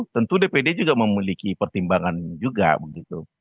tentu dpd juga memiliki pertimbangan juga begitu